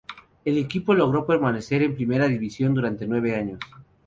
El equipo logró permanecer en primera división durante nueve años.